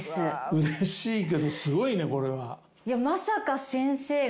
うれしいけどすごいねこれは。